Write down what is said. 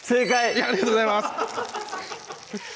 ありがとうございます！